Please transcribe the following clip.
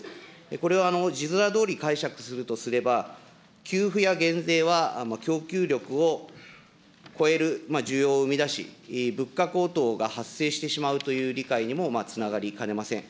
これは字面どおり解釈するとすれば、給付や減税は供給力を超える需要を生み出し、物価高騰が発生してしまうという理解にもつながりかねません。